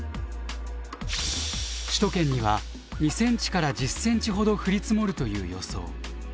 首都圏には２ｃｍから１０ｃｍほど降り積もるという予想。